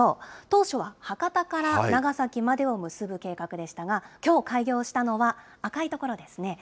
当初は博多から長崎までを結ぶ計画でしたが、きょう開業したのは、赤い所ですね。